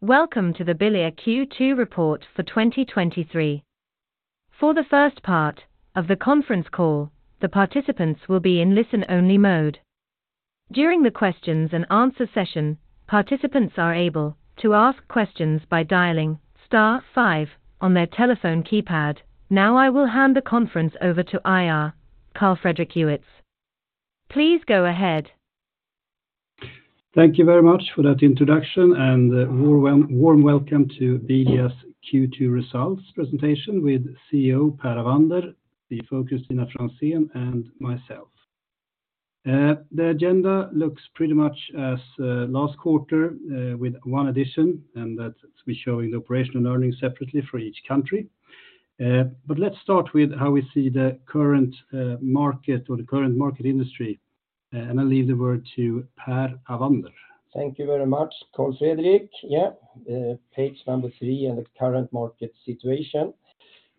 Welcome to the Bilia Q2 report for 2023. For the first part of the conference call, the participants will be in listen-only mode. During the questions and answer session, participants are able to ask questions by dialing star five on their telephone keypad. Now I will hand the conference over to IR, Carl Fredrik Ewetz. Please go ahead. Thank you very much for that introduction. A warm welcome to Bilia's Q2 results presentation with CEO Per Avander, CFO Kristina Franzén, and myself. The agenda looks pretty much as last quarter, with one addition, and that's we're showing the operational earnings separately for each country. Let's start with how we see the current market or the current market industry, and I'll leave the word to Per Avander. Thank you very much, Carl Fredrik. Page number 3 and the current market situation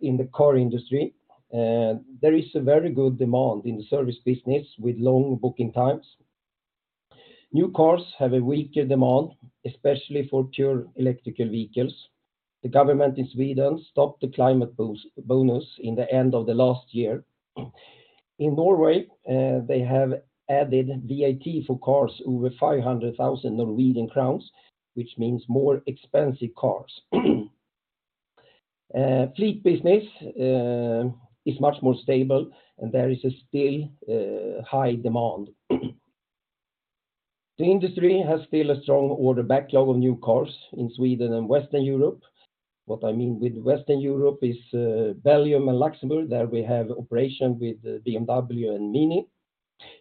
in the car industry. There is a very good demand in the service business with long booking times. New cars have a weaker demand, especially for pure electrical vehicles. The government in Sweden stopped the climate bonus in the end of the last year. In Norway, they have added VAT for cars over 500,000 Norwegian crowns, which means more expensive cars. Fleet business is much more stable, and there is a still high demand. The industry has still a strong order backlog of new cars in Sweden and Western Europe. What I mean with Western Europe is Belgium and Luxembourg, there we have operation with BMW and MINI.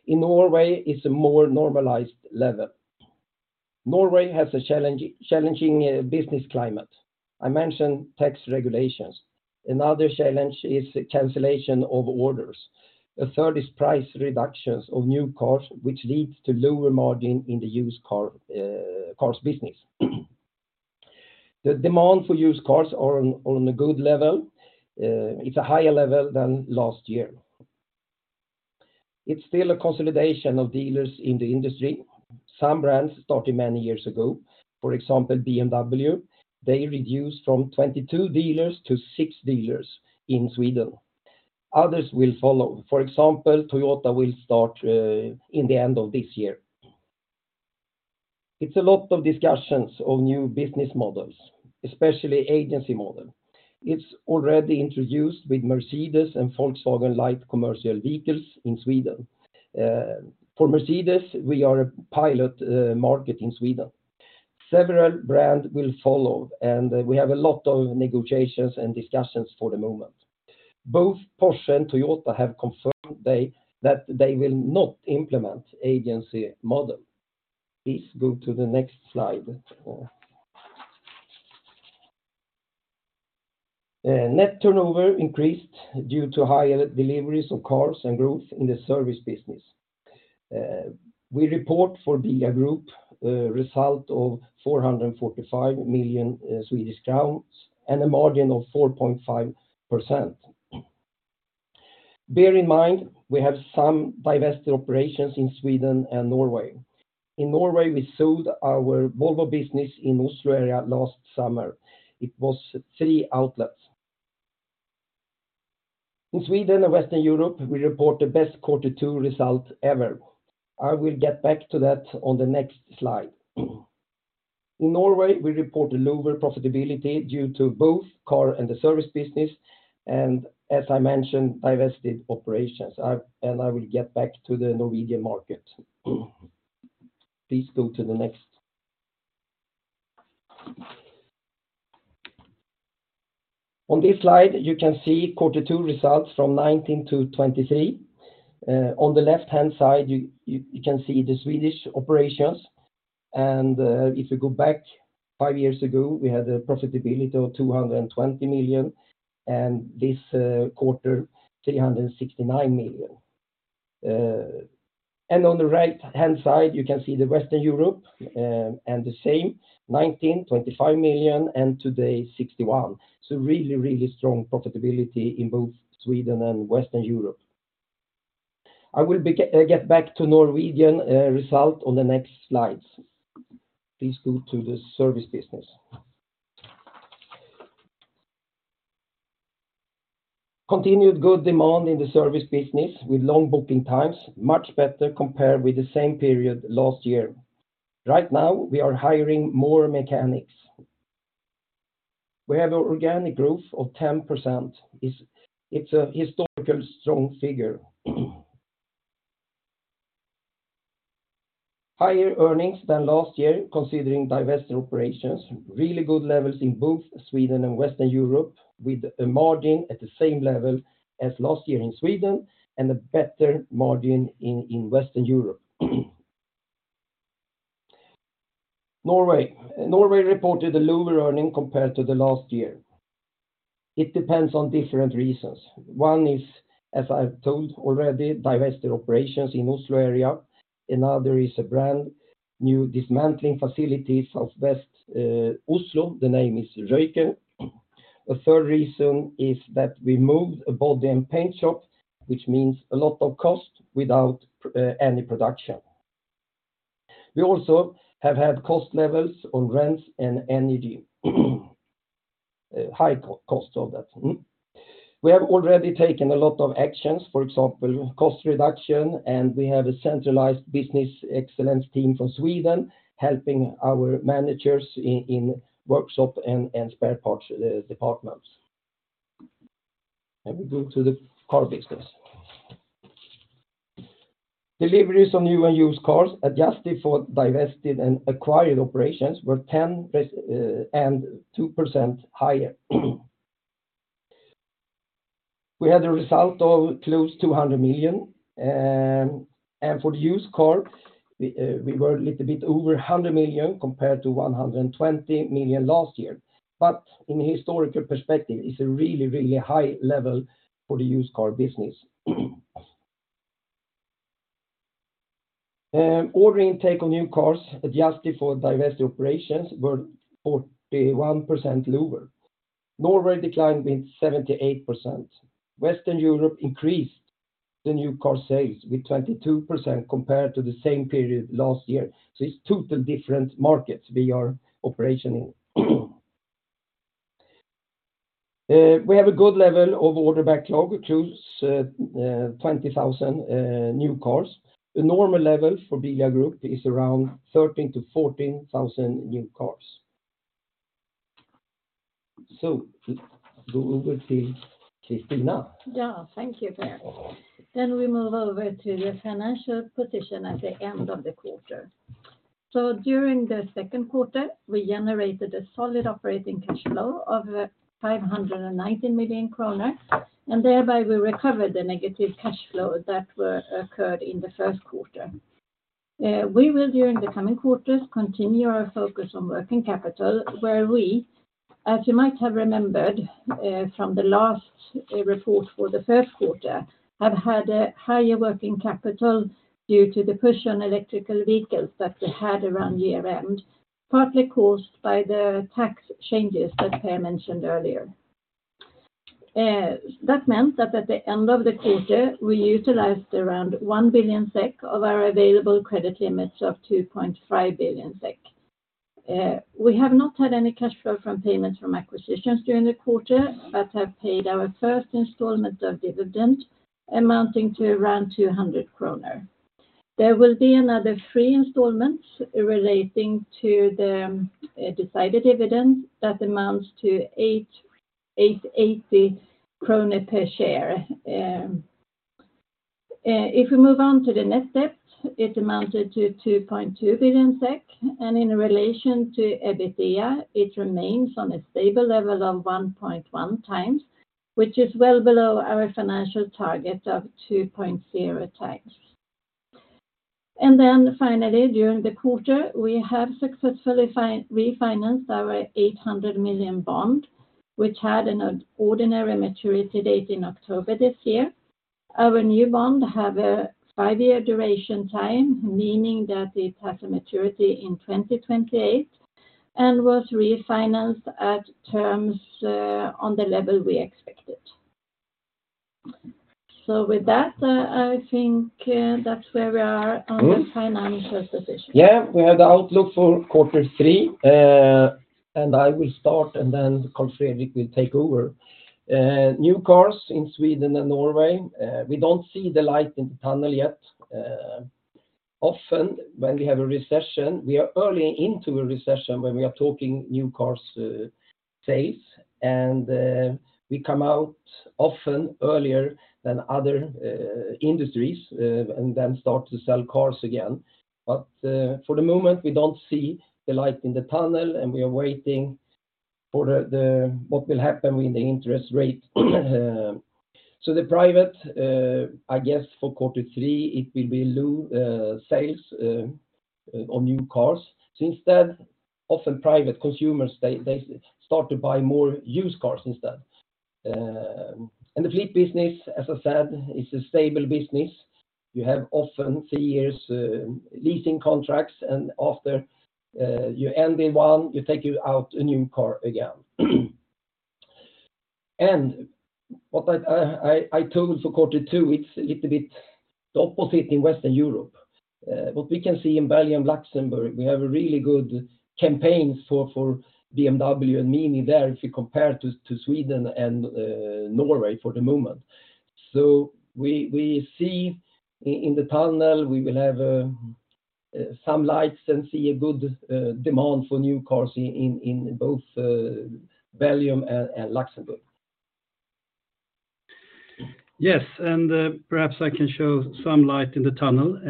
In Norway, it's a more normalized level. Norway has a challenging business climate. I mentioned tax regulations. Another challenge is the cancellation of orders. The third is price reductions of new cars, which leads to lower margin in the used cars business. The demand for used cars are on a good level. It's a higher level than last year. It's still a consolidation of dealers in the industry. Some brands started many years ago, for example, BMW. They reduced from 22 dealers to 6 dealers in Sweden. Others will follow. For example, Toyota will start in the end of this year. It's a lot of discussions on new business models, especially agency model. It's already introduced with Mercedes-Benz and Volkswagen light commercial vehicles in Sweden. For Mercedes-Benz, we are a pilot market in Sweden. Several brand will follow, and we have a lot of negotiations and discussions for the moment. Both Porsche and Toyota have confirmed that they will not implement agency model. Please go to the next slide. Net turnover increased due to higher deliveries of cars and growth in the service business. We report for Bilia Group result of 445 million Swedish crowns and a margin of 4.5%. Bear in mind, we have some divested operations in Sweden and Norway. In Norway, we sold our Volvo business in Oslo area last summer. It was 3 outlets. In Sweden and Western Europe, we report the best quarter two result ever. I will get back to that on the next slide. In Norway, we report a lower profitability due to both car and the service business, as I mentioned, divested operations. I will get back to the Norwegian market. On this slide, you can see Q2 results from 2019-2023. On the left-hand side, you can see the Swedish operations. If you go back 5 years ago, we had a profitability of 220 million, and this quarter, 369 million. On the right-hand side, you can see the Western Europe, and the same, 19 million, 25 million, and today, 61 million. Really strong profitability in both Sweden and Western Europe. I will get back to Norwegian result on the next slides. Please go to the service business. Continued good demand in the service business with long booking times, much better compared with the same period last year. Right now, we are hiring more mechanics. We have an organic growth of 10%. It's a historical strong figure. Higher earnings than last year, considering divested operations. Really good levels in both Sweden and Western Europe, with a margin at the same level as last year in Sweden and a better margin in Western Europe. Norway reported a lower earning compared to the last year. It depends on different reasons. One is, as I've told already, divested operations in Oslo area. Another is a brand new dismantling facilities of West Oslo. The name is Røyken. A third reason is that we moved a body and paint shop, which means a lot of cost without any production. We also have had cost levels on rents and energy, high costs of that. We have already taken a lot of actions, for example, cost reduction, and we have a centralized business excellence team from Sweden helping our managers in workshop and spare parts departments. We go to the car business. Deliveries on new and used cars, adjusted for divested and acquired operations, were 10 per- and 2% higher. We had a result of close to 100 million, and for the used cars, we were a little bit over 100 million compared to 120 million last year. In a historical perspective, it's a really high level for the used car business. Ordering intake on new cars, adjusted for divested operations, were 41% lower. Norway decline with 78%. Western Europe increased the new car sales with 22% compared to the same period last year. It's 2 different markets we are operating in. We have a good level of order backlog, which is 20,000 new cars. The normal level for Bilia Group is around 13,000-14,000 new cars. Go over to Kristina. Thank you, Per. We move over to the financial position at the end of the quarter. During the second quarter, we generated a solid operating cash flow of 590 million kroner, and thereby we recovered the negative cash flow that were occurred in the first quarter. We will, during the coming quarters, continue our focus on working capital, where we, as you might have remembered, from the last report for the first quarter, have had a higher working capital due to the push on electrical vehicles that we had around year-end, partly caused by the tax changes that Per mentioned earlier. That meant that at the end of the quarter, we utilized around 1 billion SEK of our available credit limits of 2.5 billion SEK. We have not had any cash flow from payments from acquisitions during the quarter, but have paid our first installment of dividend, amounting to around 200 kronor. There will be another three installments relating to the decided dividend that amounts to 8.80 kronor per share. If we move on to the net debt, it amounted to 2.2 billion SEK, and in relation to EBITDA, it remains on a stable level of 1.1 times, which is well below our financial target of 2.0 times. Finally, during the quarter, we have successfully refinanced our 800 million bond, which had an ordinary maturity date in October this year. Our new bond have a five-year duration time, meaning that it has a maturity in 2028, and was refinanced at terms on the level we expected. With that, I think that's where we are on the financial position. Yeah, we have the outlook for quarter three. I will start, Carl Fredrik will take over. New cars in Sweden and Norway, we don't see the light in the tunnel yet. Often, when we have a recession, we are early into a recession when we are talking new cars sales. We come out often earlier than other industries, start to sell cars again. For the moment, we don't see the light in the tunnel, and we are waiting for the what will happen with the interest rate. The private, I guess for quarter three, it will be low sales on new cars. Instead, often private consumers, they start to buy more used cars instead. The fleet business, as I said, is a stable business. You have often three years, leasing contracts, and after, you end the one, you take out a new car again. What I told for quarter two, it's a little bit the opposite in Western Europe. What we can see in Belgium, Luxembourg, we have a really good campaign for BMW and MINI there, if you compare to Sweden and Norway for the moment. We see in the tunnel, we will have some lights and see a good demand for new cars in both Belgium and Luxembourg. Yes, perhaps I can show some light in the tunnel.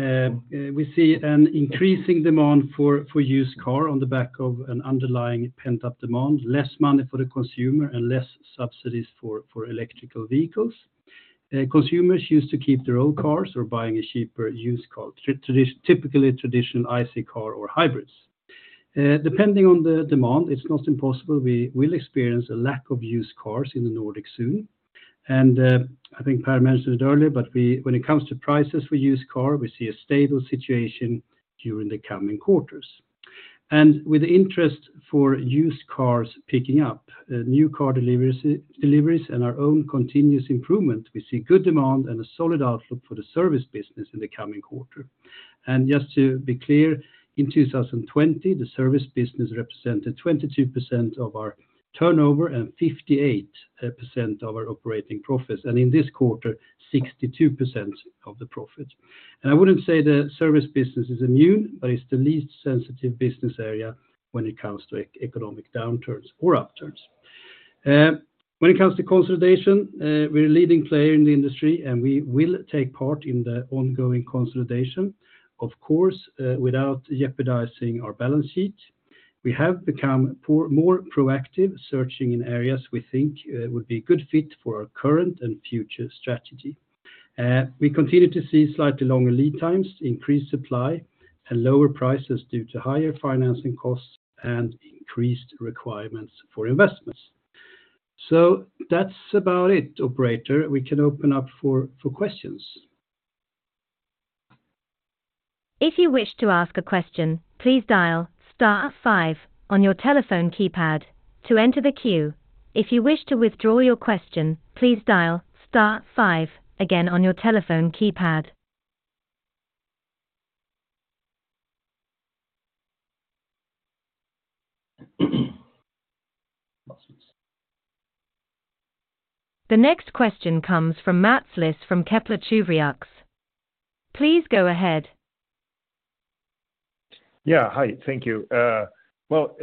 We see an increasing demand for used car on the back of an underlying pent-up demand, less money for the consumer and less subsidies for electrical vehicles. Consumers choose to keep their own cars or buying a cheaper used car, typically a traditional ICE car or hybrids. Depending on the demand, it's not impossible we will experience a lack of used cars in the Nordic soon. I think Per mentioned it earlier, when it comes to prices for used car, we see a stable situation during the coming quarters. With interest for used cars picking up, new car deliveries and our own continuous improvement, we see good demand and a solid outlook for the service business in the coming quarter. Just to be clear, in 2020, the service business represented 22% of our turnover and 58% of our operating profits, and in this quarter, 62% of the profit. I wouldn't say the service business is immune, but it's the least sensitive business area when it comes to economic downturns or upturns. When it comes to consolidation, we're a leading player in the industry, and we will take part in the ongoing consolidation, of course, without jeopardizing our balance sheet. We have become more proactive, searching in areas we think would be a good fit for our current and future strategy. We continue to see slightly longer lead times, increased supply, and lower prices due to higher financing costs and increased requirements for investments. That's about it, operator. We can open up for questions. If you wish to ask a question, please dial star five on your telephone keypad to enter the queue. If you wish to withdraw your question, please dial star five again on your telephone keypad. The next question comes from Mats Liss from Kepler Cheuvreux. Please go ahead. Yeah, hi. Thank you. well,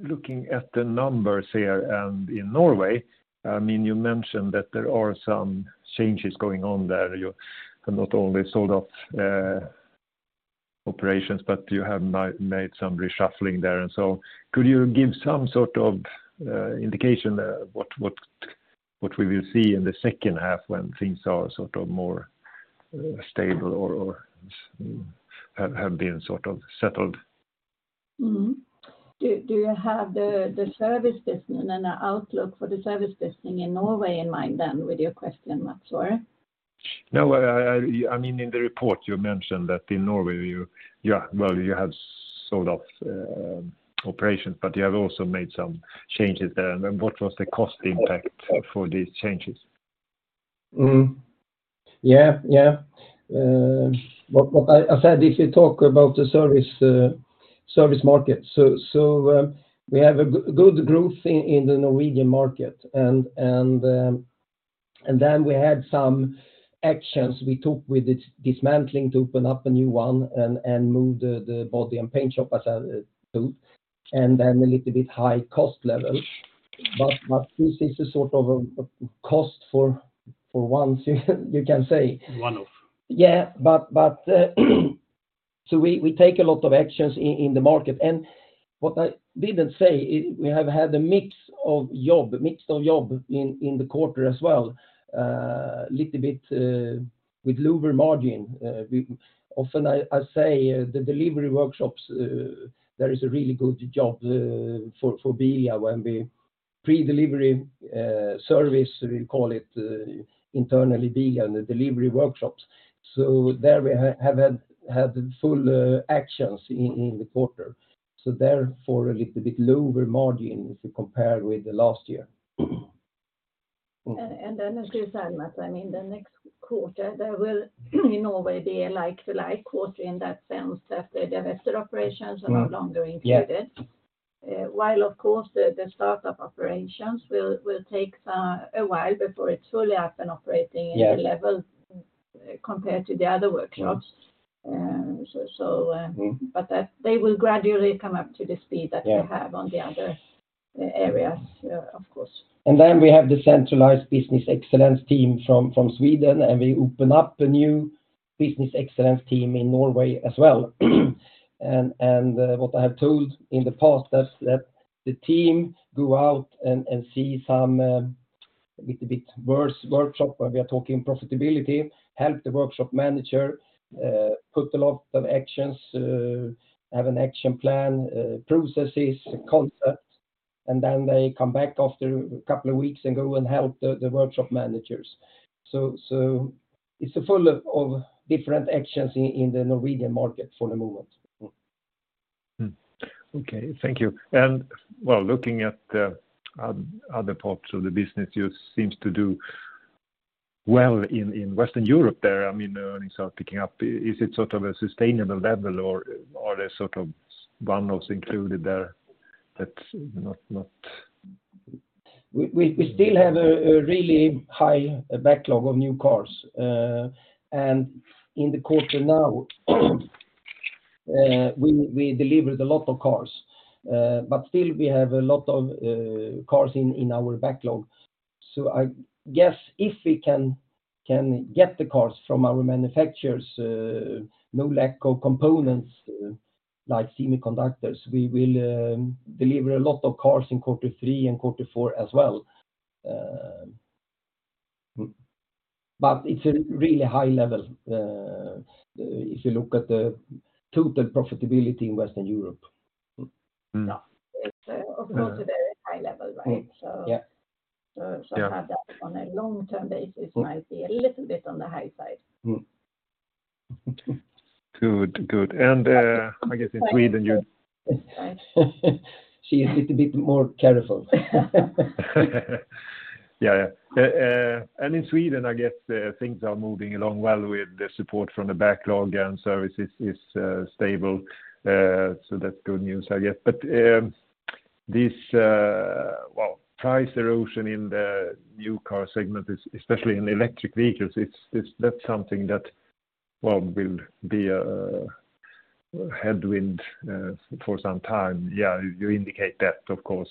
looking at the numbers here and in Norway, I mean, you mentioned that there are some changes going on there. You have not only sold off operations, but you have made some reshuffling there. Could you give some sort of indication what we will see in the second half when things are sort of more stable or have been sort of settled? Mm-hmm. Do you have the service business and the outlook for the service business in Norway in mind then with your question, Mats, or? No, I mean, in the report, you mentioned that in Norway, you, well, you have sold off operations, but you have also made some changes there. What was the cost impact for these changes? Mm-hmm. Yeah, yeah. What I said, if you talk about the service market, so we have good growth in the Norwegian market. Then we had some actions we took with this dismantling to open up a new one and move the body and paint shop, as I said, too, and then a little bit high cost level. This is a sort of a cost for once, you can say. One-off. We take a lot of actions in the market. What I didn't say is we have had a mix of job in the quarter as well, little bit with lower margin. Often I say the delivery workshops, there is a really good job for Bilia when we pre-delivery service, we call it internally, Bilia, the delivery workshops. There we have had full actions in the quarter, therefore, a little bit lower margin if you compare with the last year. Then I should say, Mats, I mean, the next quarter, there will in Norway be a like-to-like quarter in that sense, that the divested operations are no longer included. Yeah. While, of course, the start-up operations will take a while before it's fully up and operating- Yes -at the level, compared to the other workshops. Yeah. so, Mm-hmm -that they will gradually come up to the speed Yeah -that they have on the other areas, of course. Then we have the centralized business excellence team from Sweden, and we open up a new business excellence team in Norway as well. What I have told in the past is that the team go out and see some little bit worse workshop, where we are talking profitability, help the workshop manager, put a lot of actions, have an action plan, processes, concepts, and then they come back after a couple of weeks and go and help the workshop managers. It's full of different actions in the Norwegian market for the moment. Mm. Okay. Thank you. Well, looking at the other parts of the business, you seems to do well in Western Europe there. I mean, earnings are picking up. Is it sort of a sustainable level or a sort of one-offs included there that's not? We still have a really high backlog of new cars. In the quarter now, we delivered a lot of cars. Still we have a lot of cars in our backlog. I guess if we can get the cars from our manufacturers, no lack of components, like semiconductors, we will deliver a lot of cars in quarter three and quarter four as well. It's a really high level, if you look at the total profitability in Western Europe. Yeah, it's of course, a very high level, right? Yeah. To have that on a long-term basis might be a little bit on the high side. Mm-hmm. Good, good. I guess in Sweden, She is a little bit more careful. Yeah, yeah. In Sweden, I guess things are moving along well with the support from the backlog, and services is stable. That's good news, I guess. This, well, price erosion in the new car segment, especially in electric vehicles, that's something that, well, will be a headwind for some time. Yeah, you indicate that, of course.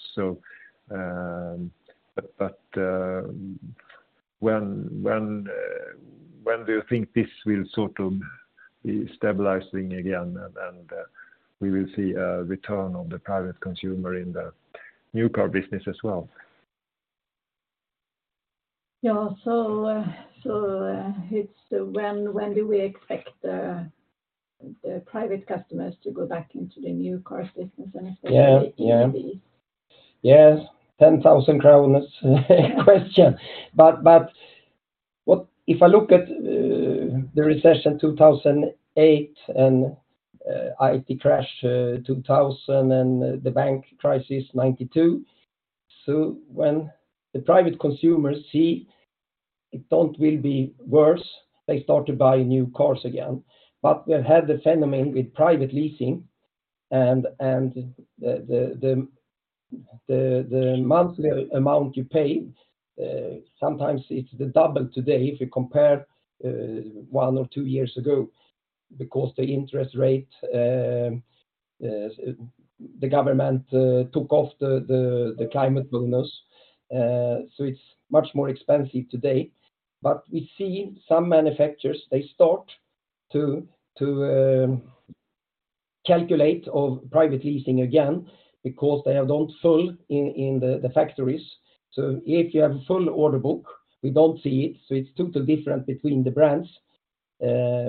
When do you think this will sort of be stabilizing again, and we will see a return on the private consumer in the new car business as well? Yeah, it's when do we expect the private customers to go back into the new car business and especially- Yeah, yeah. The EV. Yes, 10,000 kronor question. What if I look at the recession 2008 and IT crash 2000 and the bank crisis, 1992. When the private consumers see it don't will be worse, they start to buy new cars again. We have had the phenomenon with private leasing and the monthly amount you pay, sometimes it's the double today if you compare 1 or 2 years ago, because the interest rate, the government took off the climate bonus. It's much more expensive today. We see some manufacturers, they start to calculate of private leasing again because they have gone full in the factories. If you have a full order book, we don't see it, so it's total different between the brands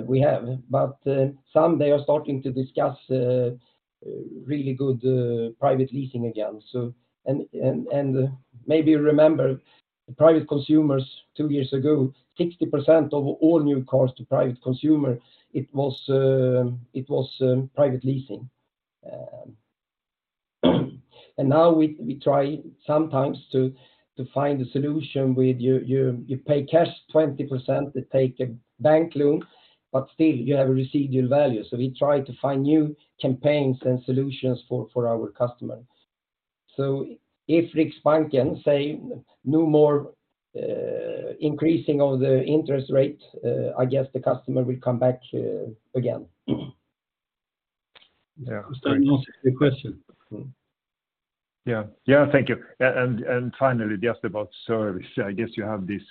we have. Some, they are starting to discuss really good private leasing again. Maybe remember, the private consumers 2 years ago, 60% of all new cars to private consumer, it was private leasing. Now we try sometimes to find a solution with you pay cash 20% to take a bank loan, but still you have a residual value. We try to find new campaigns and solutions for our customers. If Riksbanken say, no more increasing of the interest rate, I guess the customer will come back again. Yeah. Does that answer the question? Yeah. Yeah, thank you. Finally, just about service, I guess you have this,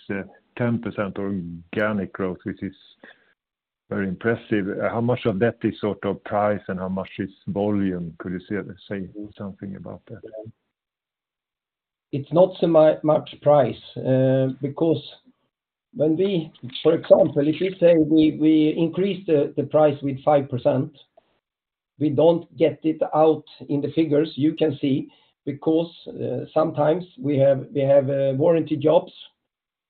10% organic growth, which is very impressive. How much of that is sort of price and how much is volume? Could you say something about that? It's not so much price, because when we, for example, if you say we increase the price with 5%, we don't get it out in the figures you can see, because sometimes we have warranty jobs,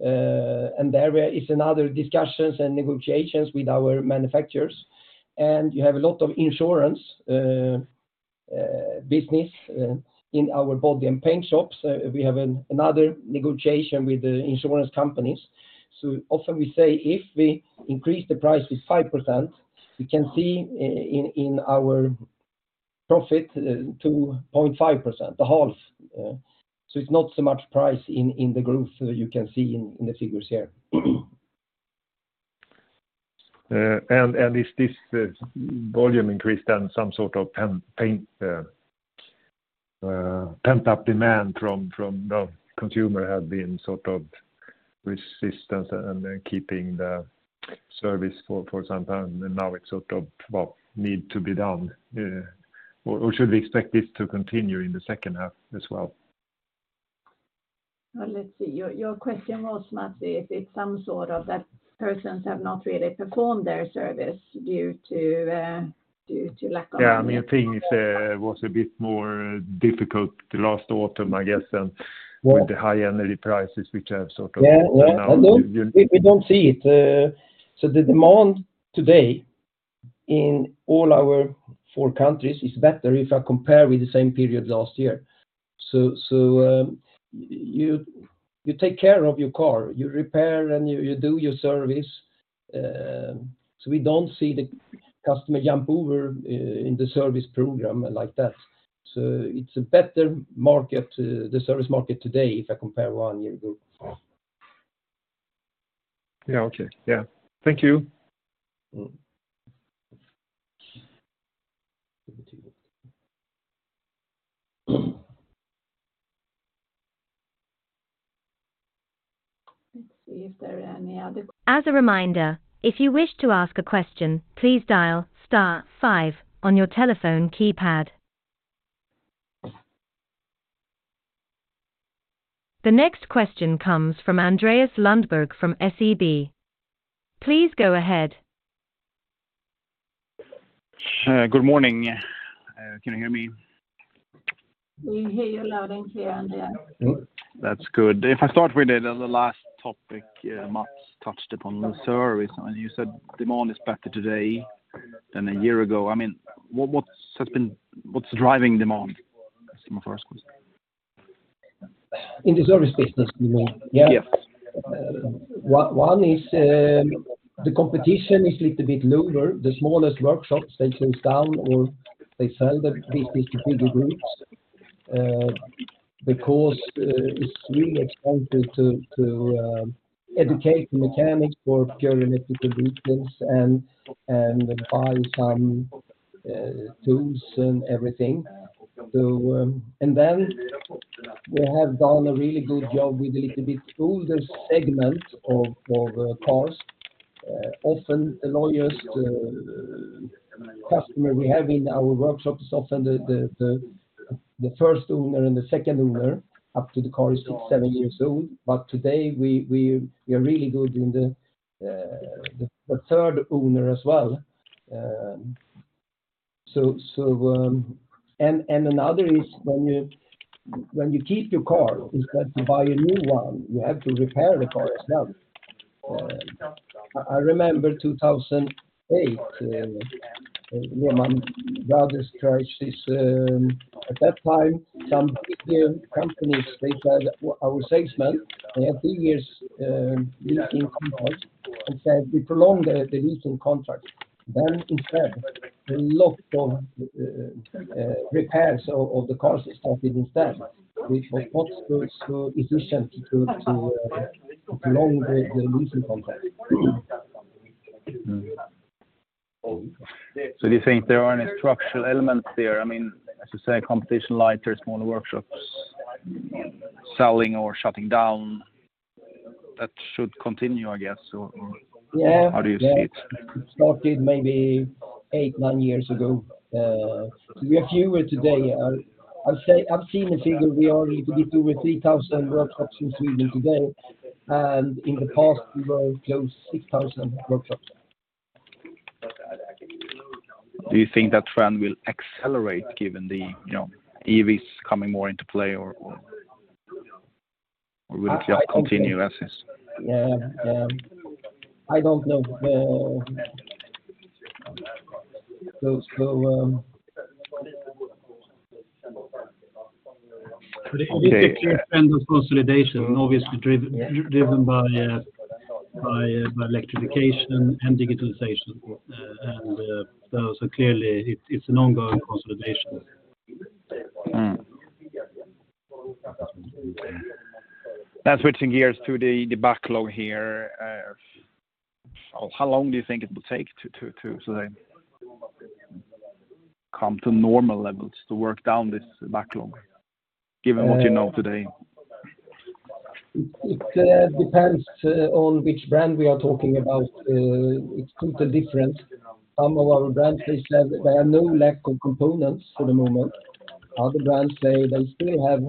and there is another discussions and negotiations with our manufacturers, and you have a lot of insurance, business, in our body and paint shops. We have another negotiation with the insurance companies. Often we say if we increase the price with 5%, we can see in our profit, 2.5%, the half. It's not so much price in the growth you can see in the figures here. Is this volume increase, then some sort of pent-up demand from the consumer have been sort of resistance and then keeping the service for some time, and now it's sort of, well, need to be done? Or should we expect this to continue in the second half as well? Well, let's see. Your, your question was, Mats, if it's some sort of that persons have not really performed their service due to lack of- Yeah, I mean, things was a bit more difficult the last autumn, I guess. Yeah -with the high energy prices, which have. Yeah. Now you- We don't see it. The demand today in all our four countries is better if I compare with the same period last year. You take care of your car, you repair, and you do your service. We don't see the customer jump over in the service program like that. It's a better market, the service market today, if I compare one year ago. Yeah, okay. Yeah. Thank you. Mm-hmm. Let's see if there are any other- As a reminder, if you wish to ask a question, please dial star five on your telephone keypad. The next question comes from Andreas Lundberg from SEB. Please go ahead. Good morning. Can you hear me? We hear you loud and clear, Andreas. That's good. If I start with the last topic, Mats touched upon the service, you said demand is better today than a year ago. I mean, what's driving demand? That's my first question. In the service business, you mean? Yes. One is, the competition is little bit lower. The smallest workshops, they close down, or they sell the big, these bigger groups, because it's really expensive to educate the mechanic for purely electrical vehicles and buy some tools and everything. We have done a really good job with a little bit older segment of cars. Often the loyalist customer we have in our workshop is often the first owner and the second owner, up to the car is six, seven years old. Today, we are really good in the third owner as well. Another is when you keep your car, instead to buy a new one, you have to repair the car as well. I remember 2008 when my brother crashed his. At that time, some big companies, our salesman had big years, leasing cars, and said we prolong the leasing contract. Instead, a lot of repairs of the cars started instead, which was not so efficient to prolong the leasing contract. Do you think there are any structural elements there? I mean, as you say, competition, lighter, smaller workshops, selling or shutting down, that should continue, I guess. Yeah. How do you see it? It started maybe eight, nine years ago. We are fewer today. I'll say I've seen a figure, we are little bit over 3,000 workshops in Sweden today, and in the past, we were close 6,000 workshops. Do you think that trend will accelerate given the, you know, EVs coming more into play or will it just continue as is? Yeah. I don't know. It depends on consolidation, obviously, driven by electrification and digitalization. Clearly, it's an ongoing consolidation. Now switching gears to the backlog here. How long do you think it will take to say, come to normal levels to work down this backlog, given what you know today? It depends on which brand we are talking about. It's totally different. Some of our brands, they said there are no lack of components for the moment. Other brands say they still have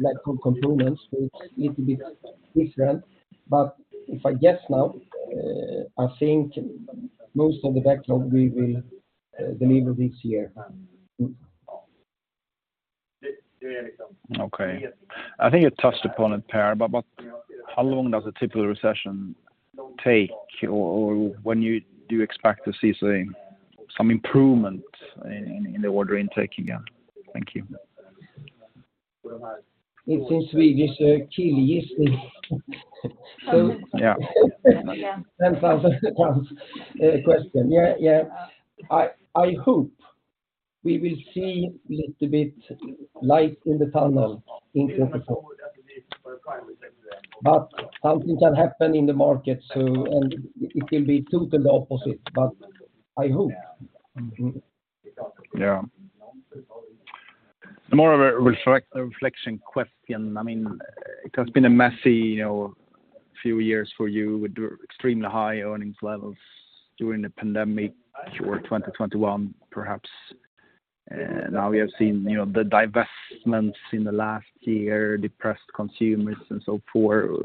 lack of components, which is little bit different. If I guess now, I think most of the backlog we will deliver this year. Okay. I think you touched upon it, Per, how long does a typical recession take or do you expect to see say, some improvement in the order intake again? Thank you. It's in Swedish. Yeah. Yeah. 10,000 pounds question. Yeah. Yeah. I hope we will see little bit light in the tunnel in 2024. Something can happen in the market, so and it will be totally the opposite, but I hope. Mm-hmm. Yeah. More of a reflection question. I mean, it has been a messy, you know, few years for you, with extremely high earnings levels during the pandemic or 2021, perhaps. Now we have seen, you know, the divestments in the last year, depressed consumers and so forth.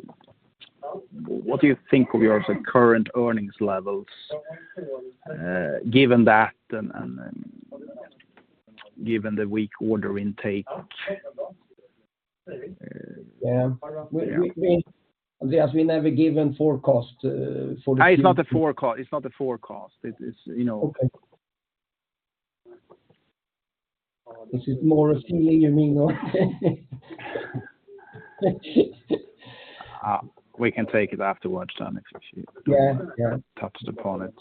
What do you think of your, the current earnings levels, given that and given the weak order intake? Yeah. We Andreas, we never given forecast. It's not the forecast. It's not the forecast. It's, you know. Okay. This is more silly, you mean? We can take it afterwards then, actually. Yeah. Yeah. Touch upon it.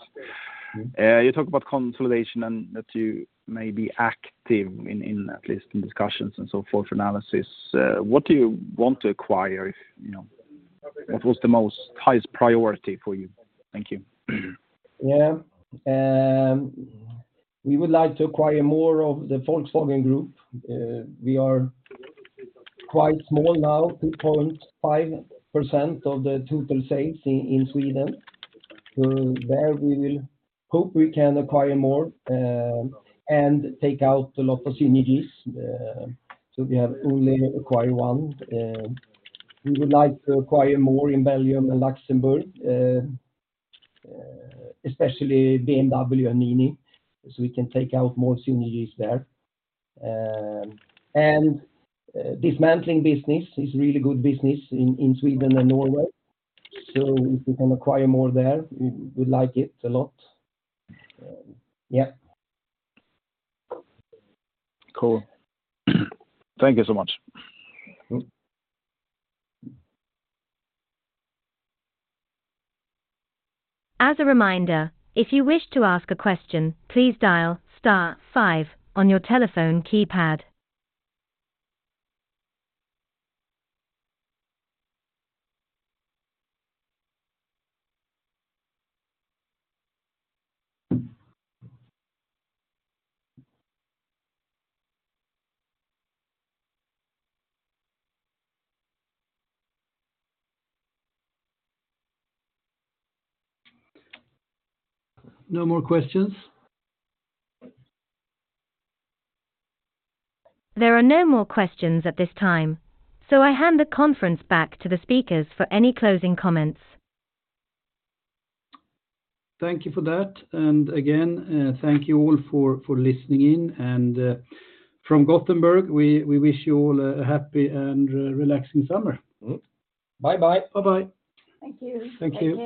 You talk about consolidation and that you may be active in at least in discussions and so forth, analysis. What do you want to acquire, if you know? What was the most highest priority for you? Thank you. Yeah. We would like to acquire more of the Volkswagen Group. We are quite small now, 2.5% of the total sales in Sweden. There, we will hope we can acquire more and take out a lot of synergies. We have only acquired one. We would like to acquire more in Belgium and Luxembourg, especially BMW and MINI, so we can take out more synergies there. Dismantling business is really good business in Sweden and Norway, so if we can acquire more there, we like it a lot. Yeah. Cool. Thank you so much. As a reminder, if you wish to ask a question, please dial star five on your telephone keypad. No more questions? There are no more questions at this time. I hand the conference back to the speakers for any closing comments. Thank you for that. Again, thank you all for listening in, and from Gothenburg, we wish you all a happy and a relaxing summer. Mm-hmm. Bye-bye. Bye-bye. Thank you. Thank you.